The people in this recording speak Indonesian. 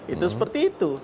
itu seperti itu